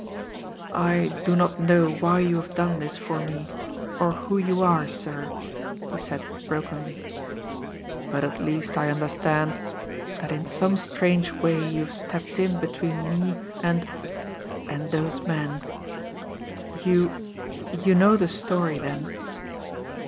"I do not know why you have done this for me, or who you are, sir," he said brokenly. "But at least I understand that in some strange way you have stepped in between me and and those men. You you know the story, then?"